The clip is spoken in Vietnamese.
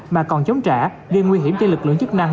mà còn chống trả ghi nguy hiểm trên lực lượng chức năng